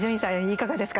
いかがですか？